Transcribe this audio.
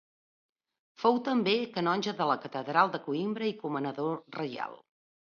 Fou també canonge de la Catedral de Coïmbra i comanador reial.